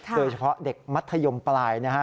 โดยเฉพาะเด็กมัธยมปลายนะฮะ